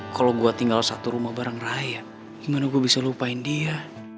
kalau gue tinggal satu rumah barang raya gimana gue bisa lupain dia